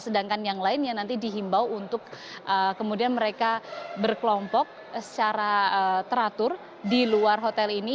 sedangkan yang lainnya nanti dihimbau untuk kemudian mereka berkelompok secara teratur di luar hotel ini